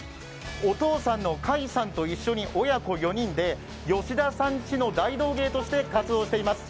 お父さんの魁さんと一緒に親子４人で吉田さんちの大道芸として活動しています。